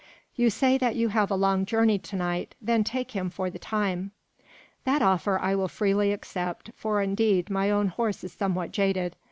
"You say that you have a long journey to night. Then take him for the time." "That offer I will freely accept, for indeed my own horse is somewhat jaded.